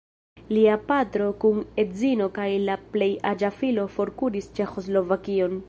Lia patro kun edzino kaj la plej aĝa filo forkuris Ĉeĥoslovakion.